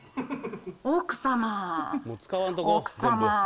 奥様。